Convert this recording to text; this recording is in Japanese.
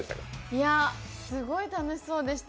すごい楽しそうでした